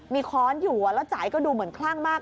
มีค้อนอยู่แล้วจ่ายก็ดูเหมือนคลั่งมาก